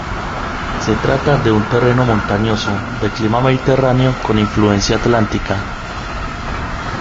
Se trata de un terreno montañoso de clima mediterráneo con influencia atlántica.